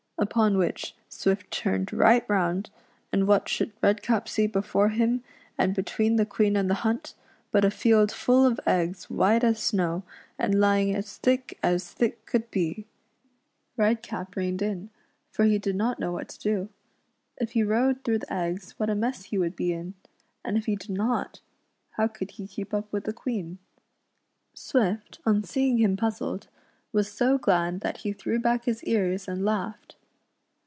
Upon which Swift turned right round, and what should Redcap see before him, and between the Queen and the hunt, but a field full of eggs white as snow, and lying as thick as thick could be. Redcap reined in, for he did not know what to do. If he rode through the eggs what a mess he would be in, and if he did not, how could he keep up with the Queen ? Swift, on seeing him puzzled, was so glad that he threw back his ears and laughed.